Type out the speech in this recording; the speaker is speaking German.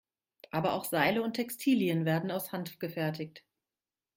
Aber auch Seile und Textilien werden aus Hanf gefertigt.